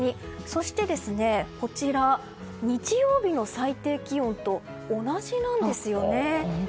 そして、日曜日の最低気温と同じなんですよね。